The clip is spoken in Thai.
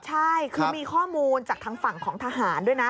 ใช่คือมีข้อมูลจากทางฝั่งของทหารด้วยนะ